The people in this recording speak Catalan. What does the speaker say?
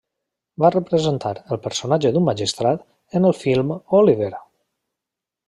Va representar el personatge d'un magistrat en el film Oliver!